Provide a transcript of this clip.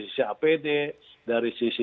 sisi apd dari sisi